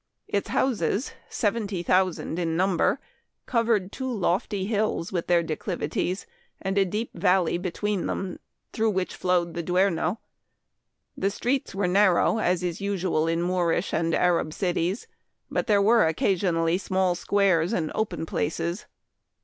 Its houses, seventy thousand in number, covered two lofty hills with their de clivities, and a deep valley between them, through which flowed the Duero. The streets were narrow, as is usual in Moorish and Arab Memoir of Washington Irving. 177 cities, but there were occasionally small squares and open places.